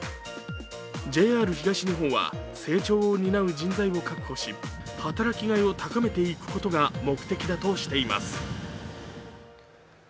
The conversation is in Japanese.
ＪＲ東日本は成長を担う人材を確保し働きがいを高めていくことが目的だとしています。